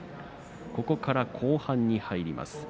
ここから後半に入ります。